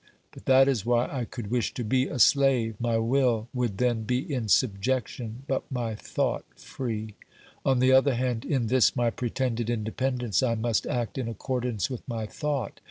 But that is why I could wish to be a slave ; my will would then be in subjection, but my thought free. On the other hand, in this my pretended independence, I must act in accordance with my thought.